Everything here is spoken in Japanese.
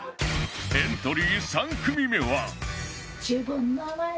エントリー３組目は